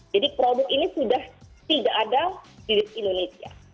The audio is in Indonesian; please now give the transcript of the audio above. produk ini sudah tidak ada di indonesia